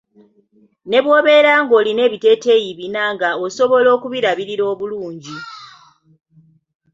Ne bwobeera nga olina ebiteteeyi bina nga osobola okubirabirira obulungi.